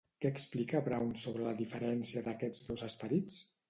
Què explica Brown sobre la diferència d'aquests dos esperits?